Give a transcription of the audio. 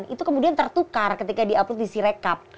itu kemudian tertukar ketika di upload diserekap